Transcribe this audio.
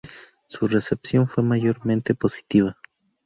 Su recepción fue mayormente positiva.